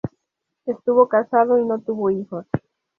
Estuvo casado y no tuvo hijos.